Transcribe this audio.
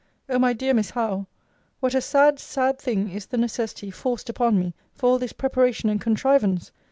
O my dear Miss Howe! what a sad, sad thing is the necessity, forced upon me, for all this preparation and contrivance!